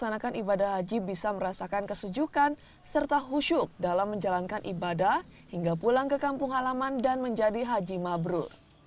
melaksanakan ibadah haji bisa merasakan kesejukan serta husyuk dalam menjalankan ibadah hingga pulang ke kampung halaman dan menjadi haji mabrur